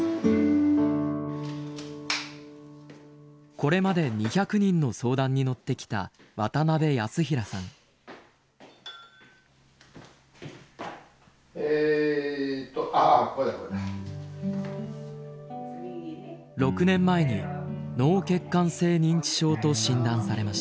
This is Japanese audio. これまで２００人の相談に乗ってきた６年前に脳血管性認知症と診断されました。